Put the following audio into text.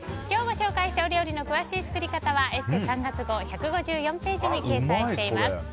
今日ご紹介した料理の詳しい作り方は「ＥＳＳＥ」３月号の１５４ページに掲載しています。